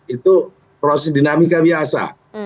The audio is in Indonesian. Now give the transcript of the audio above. itu proses dinamika biasa